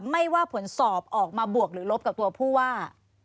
ไม่ว่าผลสอบออกมาบวกหรือลบกับตัวผู้ว่า